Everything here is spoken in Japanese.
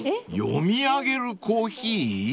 ［読み上げるコーヒー？］